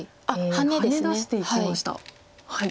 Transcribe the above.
ハネ出していきました。